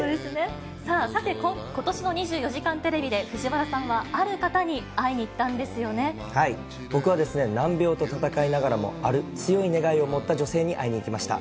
さあ、さて、ことしの２４時間テレビで、藤原さんはある方に会いに行った僕は難病と闘いながらも、ある強い願いを持った女性に会いに行きました。